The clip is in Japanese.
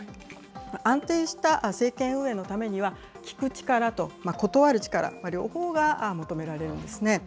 安定した政権運営のためには、聞く力と断る力、両方が求められるんですね。